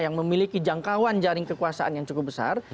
yang memiliki jangkauan jaring kekuasaan yang cukup besar